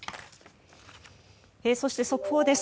そして速報です。